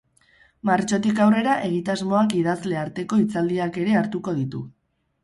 Martxotik aurrera egitasmoak idazle arteko hitzaldiak ere hartuko ditu.